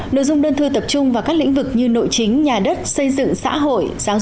nội dung đơn thư tập trung vào các lĩnh vực như nội chính nhà đất xây dựng xã hội giáo